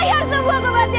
dan aku akan mencari kalian